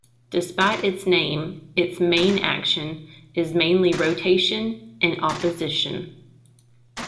Despite its name, its main action is mainly rotation and opposition.